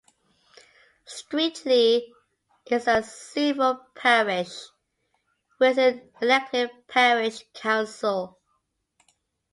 Streatley is a civil parish with an elected parish council.